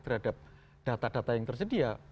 terhadap data data yang tersedia